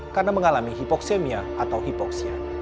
karena mengalami hipoksemia atau hipoksia